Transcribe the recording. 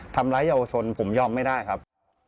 ทำร้ายเยาวชนผมยอมไม่ได้ครับ